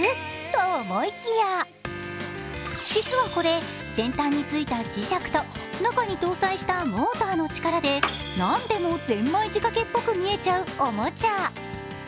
と、思いきや、実はこれ、先端についた磁石と中に搭載したモーターの力で何でもぜんまいじかけっぽく見えちゃうおもちゃ。